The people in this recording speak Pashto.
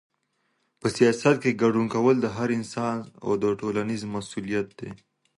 په سياست کي ګډون کول د هر انسان ټولنيز مسؤوليت دی.